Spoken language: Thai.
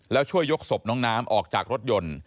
แล้วช่วยยกศพน้องน้ำออกจากรถยนต์